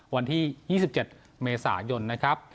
วันที่๒๗เมษายนนะครับ